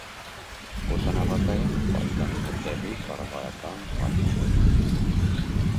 Օդանավակայանը պատկանում է տեղի կառավարական մարմիններին։